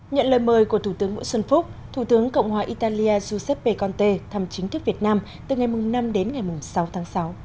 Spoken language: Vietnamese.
nhận lời mời của thủ tướng nguyễn xuân phúc thủ tướng cộng hòa italia giuseppe conte thăm chính thức việt nam từ ngày năm đến ngày sáu tháng sáu